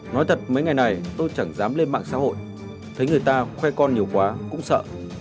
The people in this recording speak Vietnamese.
nói thật mấy ngày này tôi chẳng dám lên mạng xã hội thấy người ta khoe con nhiều quá cũng sợ